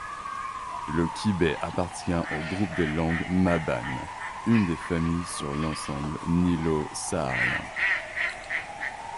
Le kibet appartient au groupe des langues mabanes, une des familles de l'ensemble nilo-saharien.